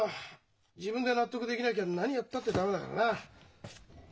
自分で納得できなきゃ何やったって駄目だからな。